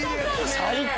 最高！